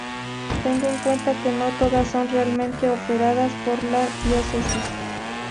Tenga en cuenta que no todas son realmente operadas por la Diócesis.